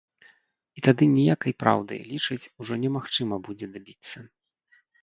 І тады ніякай праўды, лічыць, ужо немагчыма будзе дабіцца.